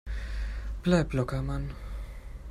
Bleib locker, Mann!